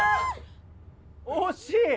惜しい！